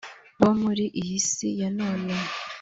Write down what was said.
bo muri iyi si ya none